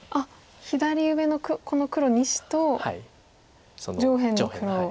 左上のこの黒２子と上辺の黒を。